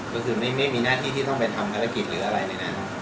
ก็คือไม่มีหน้าที่ที่ต้องไปทำภารกิจหรืออะไรในนั้น